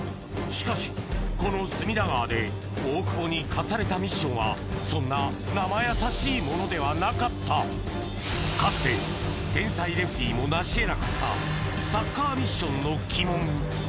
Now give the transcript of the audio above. しかしこの隅田川で大久保に課されたミッションはそんな生易しいものではなかったかつて天才レフティーもなし得なかったサッカーミッションの鬼門